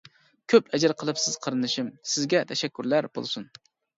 كۆپ ئەجىر قىلىپسىز قېرىندىشىم، سىزگە تەشەككۈرلەر بولسۇن!